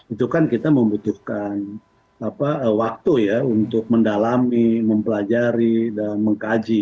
itu kan kita membutuhkan waktu ya untuk mendalami mempelajari dan mengkaji